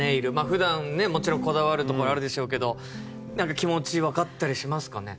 普段ねもちろんこだわるところあるでしょうけどなんか気持ちわかったりしますかね？